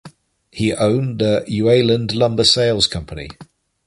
He owned the Ueland Lumber Sales Company.